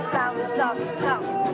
tum tum tum